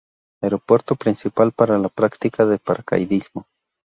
Aeropuerto principal para la práctica de paracaidismo.